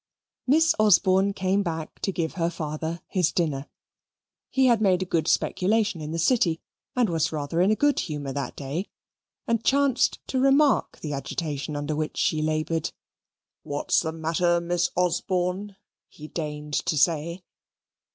Miss Osborne came back to give her father his dinner. He had made a good speculation in the City, and was rather in a good humour that day, and chanced to remark the agitation under which she laboured. "What's the matter, Miss Osborne?" he deigned to say.